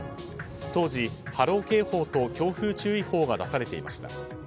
当時、波浪警報と強風注意報が出されていました。